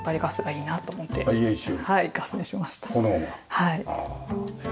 はい。